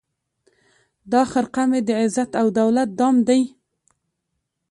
دا خرقه مي د عزت او دولت دام دی